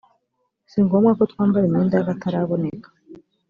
si ngombwa ko twambara imyenda y akataraboneka